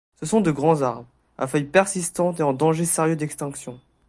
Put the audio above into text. Ce sont de grands arbres, à feuilles persistantes et en danger sérieux d'extinction.